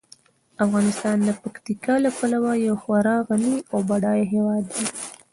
افغانستان د پکتیکا له پلوه یو خورا غني او بډایه هیواد دی.